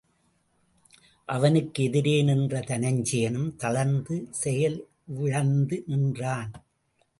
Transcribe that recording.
அவனுக்கு எதிரே நின்ற தனஞ்சயனும் தளர்ந்து செயவிழந்து நின்றான்.